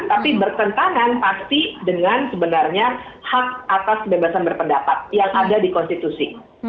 tapi bertentangan pasti dengan sebenarnya hak atas kebebasan berpendapat yang ada di konstitusi